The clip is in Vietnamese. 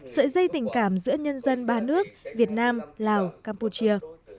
sợi dây tình cảm giữa nhân dân ba nước việt nam lào campuchia